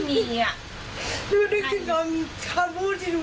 เดี๋ยวต้องเขี่ยน